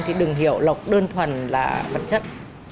thì đừng hiểu lộc đơn thuần là vật chất